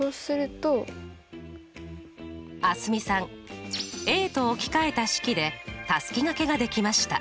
Ａと置き換えた式でたすきがけができました。